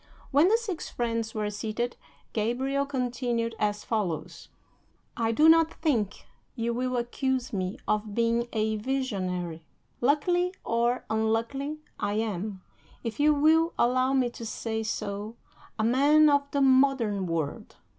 When the six friends were seated, Gabriel continued as follows: "I do not think you will accuse me of being a visionary. Luckily or unluckily, I am, if you will allow me to say so, a man of the modern world.